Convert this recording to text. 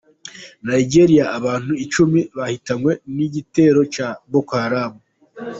Nigeriya Abantu icumi bahitanwe n’igitero cya boko haramu